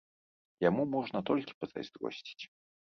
Яму можна толькі пазайздросціць.